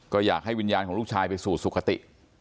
ก็อยากให้วิญญาณของลูกชายไปสู่สุขติ